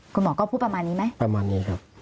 คุณหมอก็พูดประมาณนี้ไหมประมาณนี้ครับ